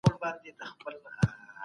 ولي سرحد په نړیواله کچه ارزښت لري؟